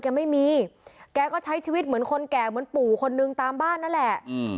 แกไม่มีแกก็ใช้ชีวิตเหมือนคนแก่เหมือนปู่คนนึงตามบ้านนั่นแหละอืม